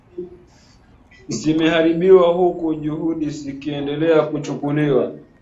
zime haribiwa huku juhudi zikiendelea kuchukuliwa